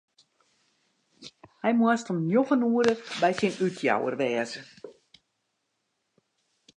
Hy moast om njoggen oere by syn útjouwer wêze.